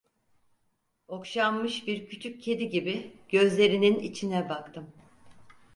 Okşanmış bir küçük kedi gibi gözlerinin içine baktım.